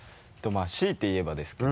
しいて言えばですけど。